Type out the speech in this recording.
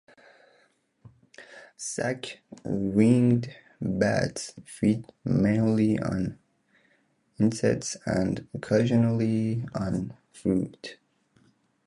Sac-winged bats feed mainly on insects, and occasionally on fruit.